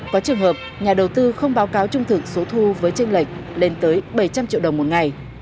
có trường hợp nhà đầu tư không báo cáo trung thực số thu với tranh lệch lên tới bảy trăm linh triệu đồng một ngày